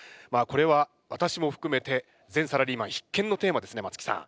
これは私も含めて全サラリーマン必見のテーマですね松木さん。